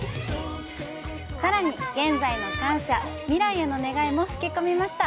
さらに「現在の感謝」「未来へ願い」も吹き込みました！